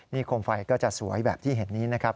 นี่โคมไฟก็จะสวยแบบที่เห็นนี้นะครับ